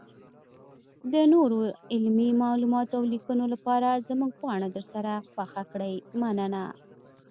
-دنورو علمي معلوماتو اولیکنو لپاره زمونږ پاڼه درسره خوښه کړئ مننه.